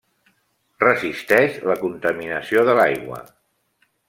Resisteix la contaminació de l'aigua.